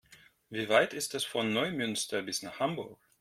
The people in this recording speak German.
Wie weit ist es von Neumünster bis nach Hamburg?